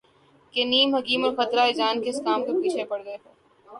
کہ نیم حکیم اور خطرہ جان ، کس کام کے پیچھے پڑ گئے ہو